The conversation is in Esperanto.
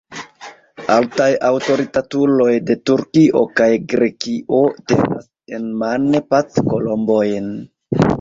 Altaj aŭtoritatuloj de Turkio kaj Grekio tenas enmane pac-kolombojn.